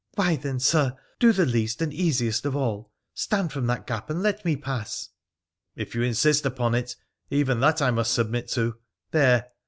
'Why then, Sir, do the least and easiest of all— stand from that gap and let me pass.' ' If you insist upon it, even that I must submit to. There